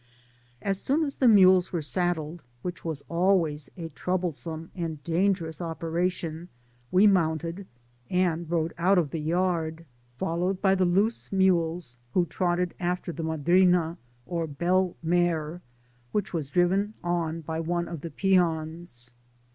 As soon as the mules were sad dled, which was always a troublesome and dan gerous operation, we mounted, and rode out of the yard followed by the loose mules, who trotted after the madrina, or bell mare, which was driven on by one of the peons.